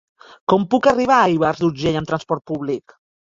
Com puc arribar a Ivars d'Urgell amb trasport públic?